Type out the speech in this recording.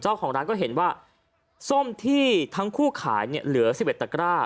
เจ้าของร้านก็เห็นว่าส้มที่ทั้งคู่ขายเนี่ยเหลือ๑๑ตะกร้า